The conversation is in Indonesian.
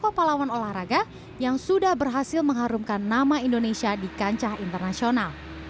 yang ini pahlawan olahraga yang sudah berhasil mengharumkan nama indonesia di kancah internasional